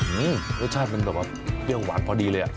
อื้อรสชาติมันแบบแบบเปรี้ยวหวานพอดีเลย